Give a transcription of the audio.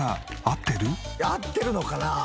「合ってるのかなあ？」